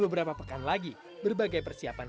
beberapa pekan lagi berbagai persiapan